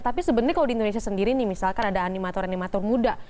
tapi sebenarnya kalau di indonesia sendiri nih misalkan ada animator animator muda